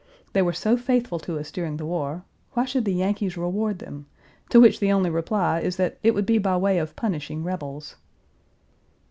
They were so faithful to us during the war, why should the Yankees reward them, to which the only reply is that it would be by way of punishing rebels.